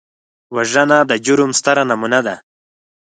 وژنه د جرم ستره نمونه ده